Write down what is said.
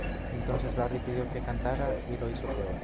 Entonces, Larry pidió que cantara, y lo hizo peor.